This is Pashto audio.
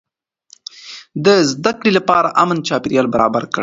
ده د زده کړې لپاره امن چاپېريال برابر کړ.